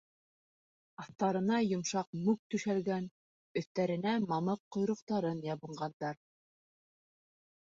Аҫтарына йомшаҡ мүк түшәлгән, өҫтәренә мамыҡ ҡойроҡтарын ябынғандар.